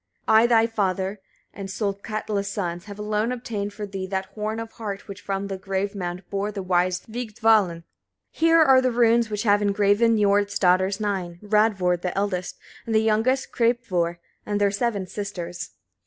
Son! I thy father and Solkatla's sons have alone obtained for thee that horn of hart, which from the grave mound bore the wise Vigdvalin. 79. Here are runes which have engraven Niord's daughters nine, Radvor the eldest, and the youngest Kreppvor, and their seven sisters.